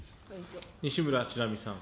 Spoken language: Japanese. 西村智奈美さん。